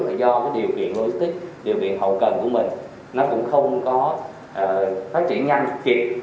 là do cái điều kiện logistics điều kiện hậu cần của mình nó cũng không có phát triển nhanh kịp